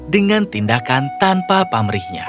dengan tindakan tanpa pamrihnya